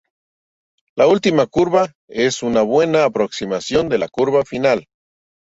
La última curva es una buena aproximación de la curva final.